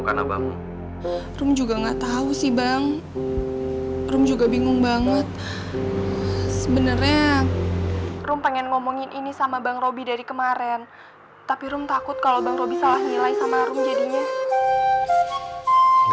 dan uangnya juga raib sekarang